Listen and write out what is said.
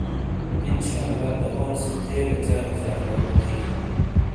ان شاء اللہ ! دبون سے تھے گہ چار ہزار لوکو تھٸی.